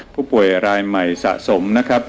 ผู้ป่วยรายใหม่สะสมนะครับ